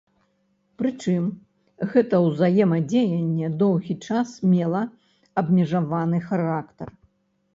Прычым, гэта ўзаемадзеянне доўгі час мела абмежаваны характар.